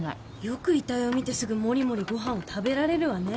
よく遺体を見てすぐもりもりご飯を食べられるわね。